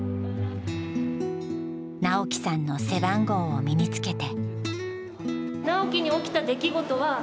直樹さんの背番号を身につけて。